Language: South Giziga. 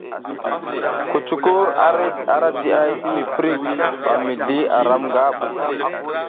Kucukur ara jiʼay ti mi prik ba mizli aram nga ɓu.